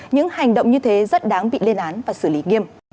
những hành động như thế rất đáng bị lên án và xử lý nghiêm